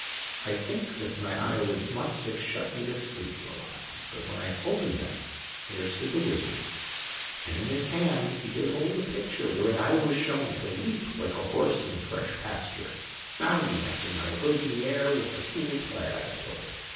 io IMAGINOTIONS I think that my eyelids must have shut me to sleep for a while, but when I opened them there stood the wizard, and in his hand he did hold a picture wherein I was shown to leap like a horse in fresh pasture, bounding after my hood in the air with the fool play I have told.